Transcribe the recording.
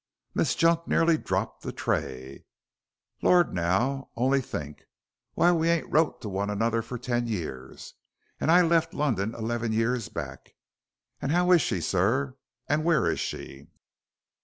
Miss Junk nearly dropped the tray. "Lor', now, only think! Why, we ain't wrote to one another for ten years. And I left London eleven years back. And how is she, sir? and where is she?"